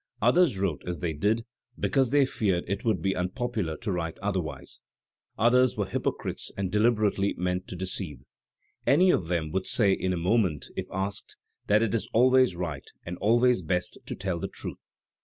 Others wrote as they did, because they feared it would be unpopular to write otherwise. Others were hypocrites and deliberately meant to deceive. Any of them would say in a moment, if asked, that it is always right and always bed to tell the truth.